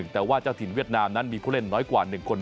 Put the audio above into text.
แต่ว่าเจ้าถิ่นเวียดนามนั้นมีผู้เล่นน้อยกว่า๑คน